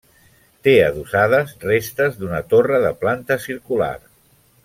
Té adossades restes d'una torre de planta circular.